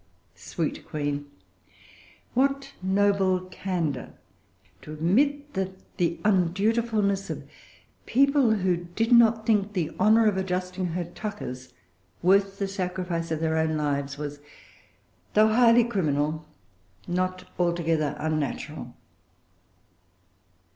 Sweet Queen! What noble candor, to admit that the undutifulness of people, who did not think the honor of adjusting her tuckers worth the sacrifice of their own lives, was, though highly criminal, not altogether unnatural!